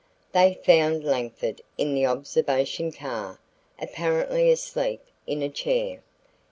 They found Langford in the observation car, apparently asleep in a chair.